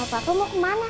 bapakku mau kemana